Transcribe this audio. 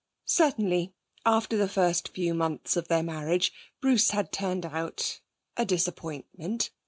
Certainly, after the first few months of their marriage, Bruce had turned out a disappointment.